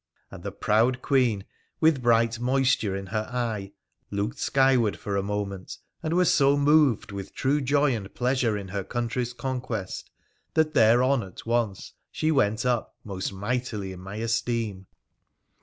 ' And the proud Queen, with bright moisture in her eye, looked skyward for a moment, and was so moved with true joy and pleasure in her country's conquest that thereon at once she went up most mightily in my esteem.